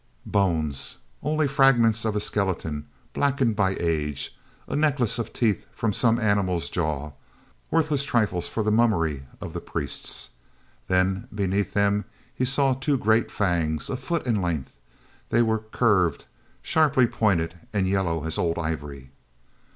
Bones! Only fragments of a skeleton, blackened by age; a necklace of teeth from some animal's jaw; worthless trifles for the mummery of the priests. Then, beneath them, he saw two great fangs, a foot in length. They were curved, sharply pointed and yellow as old ivory.